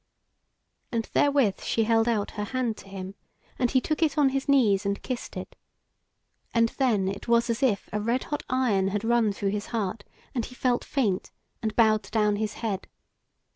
And therewith she held out her hand to him, and he took it on his knees and kissed it: and then it was as if a red hot iron had run through his heart, and he felt faint, and bowed down his head.